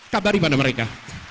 kabar di mana mereka